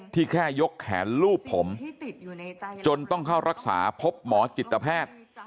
แค่ยกแขนลูบผมจนต้องเข้ารักษาพบหมอจิตแพทย์